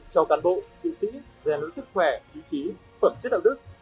cho cán bộ trị sĩ giải đổi sức khỏe ý chí phẩm chất đạo đức